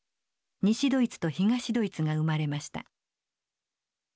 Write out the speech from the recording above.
西ドイツと東ドイツが生まれました。